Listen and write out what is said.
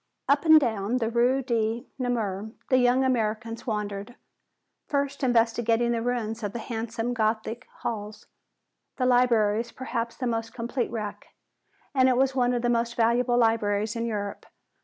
Up and down the Rue de Namur the young Americans wandered, first investigating the ruins of the handsome Gothic Halles. The Library is perhaps the most complete wreck, and it was one of the most valuable libraries in Europe.